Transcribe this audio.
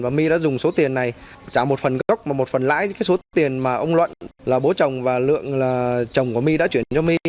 và my đã dùng số tiền này trả một phần gốc và một phần lãi cái số tiền mà ông luận là bố chồng và lượng là chồng của my đã chuyển cho my